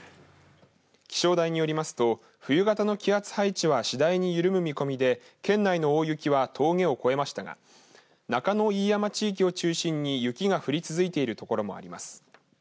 気象台によりますと冬型の気圧配置は次第に緩む見込みで県内の大雪は峠を越えましたが中野飯山地域を中心に雪が降り続いている所もあります。